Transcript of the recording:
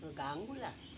gak ganggu lah